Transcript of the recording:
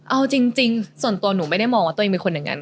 เอาจริงส่วนตัวหนูไม่ได้มองว่าตัวเองเป็นคนอย่างนั้น